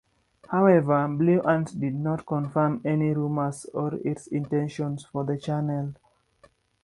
However, Blue Ant did not confirm any rumours or its intentions for the channel.